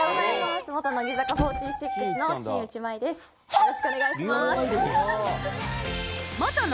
よろしくお願いします。